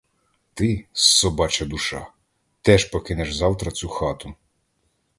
Ти, собача душа, теж покинеш завтра цю хату.